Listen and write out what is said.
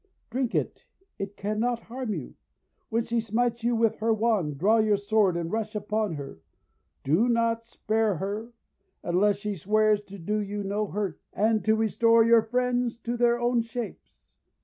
Drink it; it cannot harm you. When she smites you with her wand, draw your sword and rush upon her. Do not spare her, unless she swears to do you no hurt, and to restore your friends to their own shapes."